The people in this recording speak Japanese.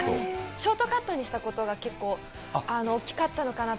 ショートカットにしたことが結構、大きかったのかなと。